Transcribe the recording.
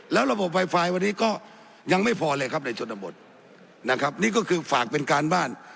แล้วระบบไวไฟวันนี้ก็ยังไม่พอเลยครับในชนบทนะครับนี่ก็คือฝากเป็นการบ้าน